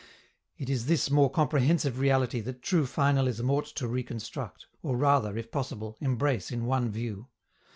It is this more comprehensive reality that true finalism ought to reconstruct, or, rather, if possible, embrace in one view.